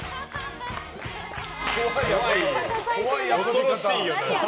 恐ろしいわ。